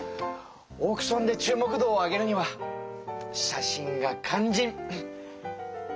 オークションで注目度を上げるには写真がかんじん！